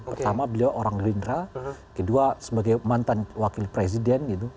pertama beliau orang gerindra kedua sebagai mantan wakil presiden gitu